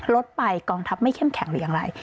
ลดไปกองทัพไม่เข้มแข็งหรืออย่างไร